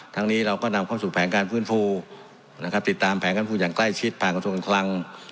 ทั้งนี้เราก็นำเข้าสู่แผนการฟื้นฟูติดตามแผนการฟื้นฟูอย่างใกล้ชิดผ่านกระทรวงกันครั้ง